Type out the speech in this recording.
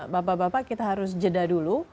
bapak bapak kita harus jeda dulu